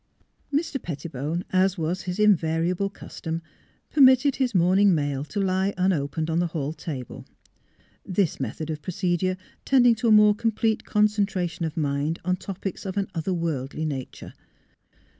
... Mr. Pettibone, as was his invariable custom, permitted his morning mail to lie unopened on the hall table; this method of procedure tending to a more complete concentration of mind on topics of an other worldly nature.